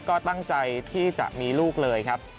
ก็ตั้งใจที่จะมีลูกเลยครับ